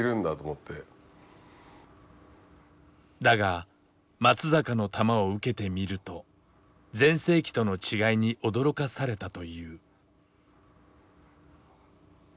だが松坂の球を受けてみると全盛期との違いに驚かされたという。